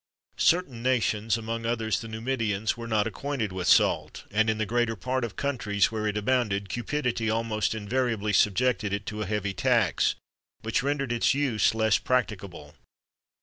[XXIII 6] Certain nations, among others the Numidians, were not acquainted with salt;[XXIII 7] and in the greater part of countries where it abounded, cupidity almost invariably subjected it to a heavy tax, which rendered its use less practicable.